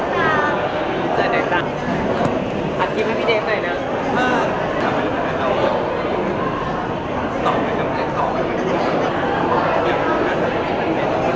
ถัดคลิปให้พี่เด้มหน่อยนะ